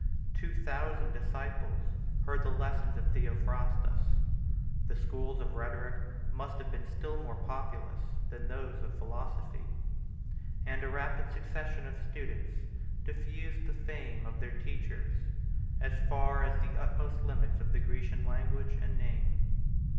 Two thousand disciples heard the lessons of Theophrastus; 145 the schools of rhetoric must have been still more populous than those of philosophy; and a rapid succession of students diffused the fame of their teachers as far as the utmost limits of the Grecian language and name.